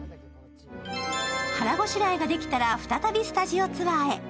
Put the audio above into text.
腹ごしらえができたら、再びスタジオツアーへ。